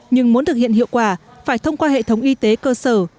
nhưng muốn thực hiện hiệu quả phải thông qua hệ thống y tế cơ sở